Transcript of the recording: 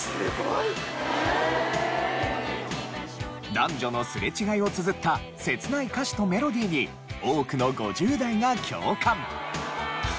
男女のすれ違いを綴った切ない歌詞とメロディーに多くの５０代が共感。